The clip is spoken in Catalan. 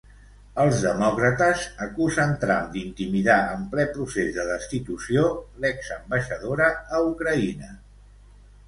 Els demòcrates acusen Trump d'intimidar en ple procés de destitució l'exambaixadora a Ucraïna.